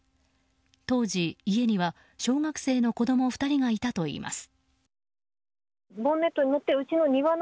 当時、家には小学生の子供２人がいたといいます。